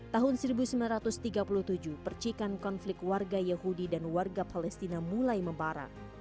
tahun seribu sembilan ratus tiga puluh tujuh percikan konflik warga yahudi dan warga palestina mulai membara